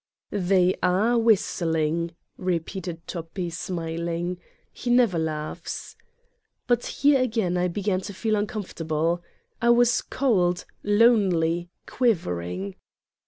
"They are whistling!" repeated Toppi smiling. He never laughs. But here again I began to feel uncomfortable. I was cold, lonely, quivering.